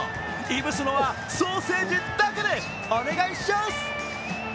いぶすのはソーセージだけでお願いシャス！